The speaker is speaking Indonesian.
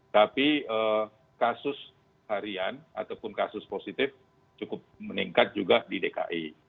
tapi kasus harian ataupun kasus positif cukup meningkat juga di dki